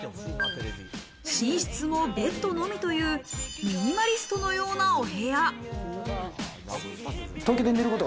寝室もベッドのみという、ミニマリストのようなお部屋。